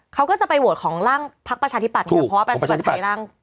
เขาก็จะไปโหวตของร่างภัคปาชถิปัตธิ์